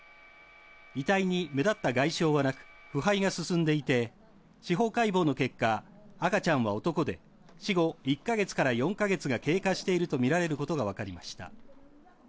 遺体に目立った外傷はなく腐敗が進んでいて司法解剖の結果、赤ちゃんは男で、死後１か月から４か月が経過しているとみられることが分かりました。